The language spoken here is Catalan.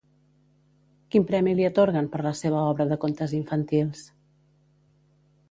Quin premi li atorguen per la seva obra de contes infantils?